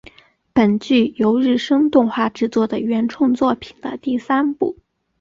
本剧由日升动画制作的原创作品的第三部。